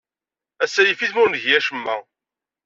Ass-a, yif-it ma ur ngi acemma.